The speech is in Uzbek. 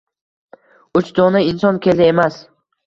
Uch dona inson keldi emas.